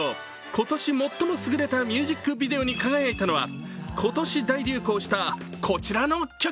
今年最も優れたミュージックビデオに輝いたのは今年大流行した、こちらの曲。